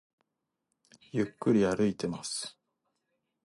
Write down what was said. ゆっくり歩いています